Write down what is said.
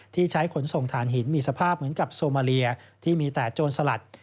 ที่ใช้ขนส่งฐานหินมีสภาพเหมือนกับโซมาเลียที่มีแต่โจรสลัด